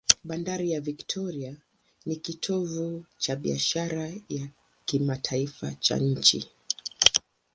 Bandari ya Victoria ni kitovu cha biashara ya kimataifa cha nchi.